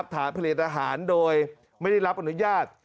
ฐานผลิตอาหารโดยไม่ได้รับอนุญาต